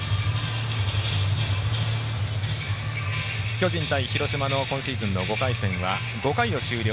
巨人対広島の今シーズンの５回戦は５回を終了。